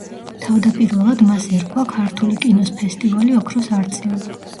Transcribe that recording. თავდაპირველად მას ერქვა ქართული კინოს ფესტივალი ოქროს არწივი.